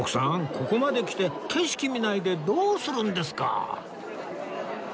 ここまで来て景色見ないでどうするんですか